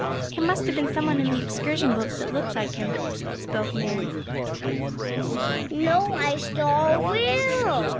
"It must have been some one in the excursion boats that looked like him," spoke Nan. "No, I saw Will!"